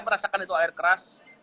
merasakan itu air keras